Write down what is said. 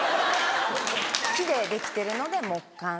木でできてるので「木管」。